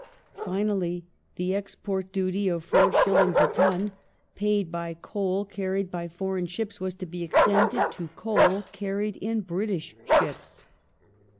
Finally, the export duty of 4s. a ton paid by coal carried by foreign ships was to be extended to coal carried in British ships.